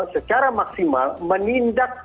secara maksimal menindak